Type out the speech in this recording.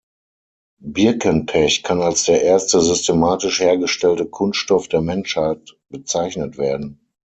Birkenpech kann als der erste systematisch hergestellte Kunststoff der Menschheit bezeichnet werden.